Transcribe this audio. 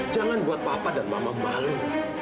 jangan buat papa dan mama kembali